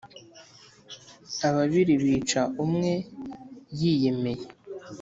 Ababiri bica umwe yi yemeye